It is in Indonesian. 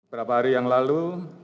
beberapa hari yang lalu